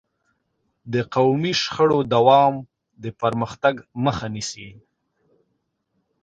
د قومي شخړو دوام د پرمختګ مخه نیسي.